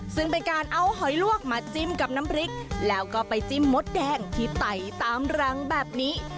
ซึ่งเป็นการเอาหอยลวกมาจิ้มกับน้ำพริกแล้วก็ไปจิ้มมดแดงที่ไต่ตามรังแบบนี้